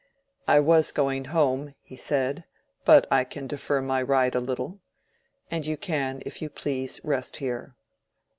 "I was going home," he said, "but I can defer my ride a little. And you can, if you please, rest here."